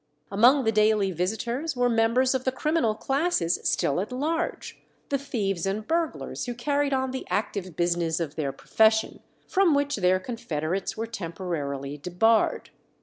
Among the daily visitors were members of the criminal classes still at large, the thieves and burglars who carried on the active business of their profession, from which their confederates were temporarily debarred.